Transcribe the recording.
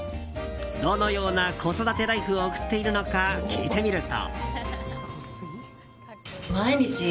どのような子育てライフを送っているのか聞いてみると。